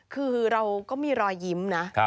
คือเราก็มีรอยยิ้มนะ